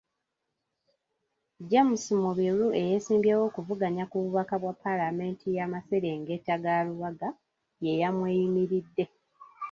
James Mubiru eyeesimbyewo okuvuganya ku bubaka bwa palamenti yamaserengeta ga Lubaga yeyamweyimiridde.